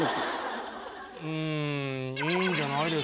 うん。